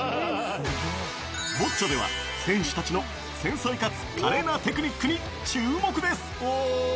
ボッチャでは、選手たちの繊細かつ華麗なテクニックに注目です。